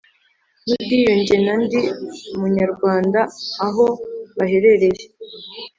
N ubwiyunge na ndi umunyarwanda aho baherereye